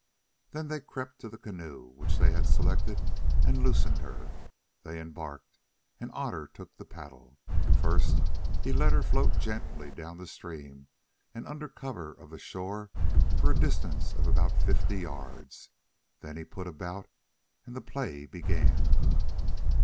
Then they crept to the canoe which they had selected and loosened her. They embarked and Otter took the paddle. First he let her float gently down stream and under cover of the shore for a distance of about fifty yards. Then he put about and the play began.